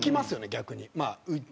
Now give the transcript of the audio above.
逆に。